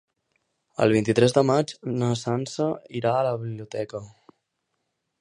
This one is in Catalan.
El vint-i-tres de maig na Sança irà a la biblioteca.